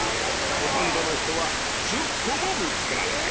ほとんどの人は、１０個も見つけられない。